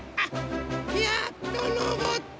やっとのぼった。